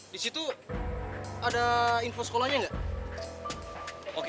di situ ada info sekolahnya nggak